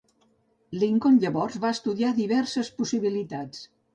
Lincoln llavors va estudiar diverses possibilitats.